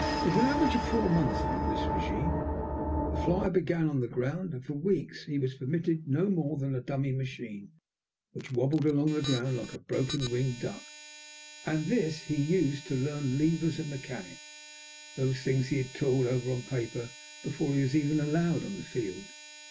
There was an average of four months under this régime. The flier began on the ground, and for weeks he was permitted no more than a dummy machine, which wobbled along the ground like a broken winged duck, and this he used to learn levers and mechanics those things he had toiled over on paper before he was even allowed on the field.